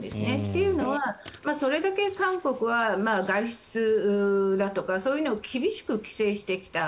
というのは、それだけ韓国は外出だとかそういうのを厳しく規制してきた。